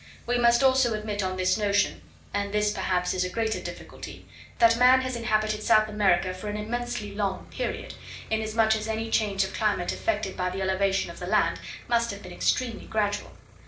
We must also admit on this notion (and this perhaps is a greater difficulty) that man has inhabited South America for an immensely long period, inasmuch as any change of climate effected by the elevation of the land must have been extremely gradual.